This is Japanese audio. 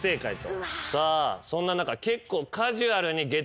さあそんな中結構。